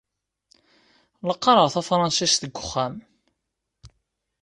La qqareɣ tafṛensist deg wexxam.